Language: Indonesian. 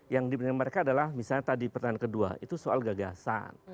yang diberikan mereka adalah misalnya tadi pertanyaan kedua itu soal gagasan